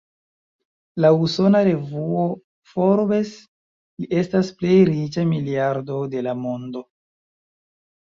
Laŭ usona revuo "Forbes", li estas plej riĉa miliardo de la mondo.